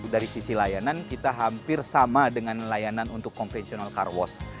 dari sisi layanan kita hampir sama dengan layanan untuk konvensional car wash